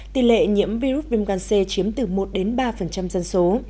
tỷ lệ nhiễm virus viêm gan c chiếm từ một ba dân số